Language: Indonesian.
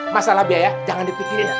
masalah biaya jangan dipikirin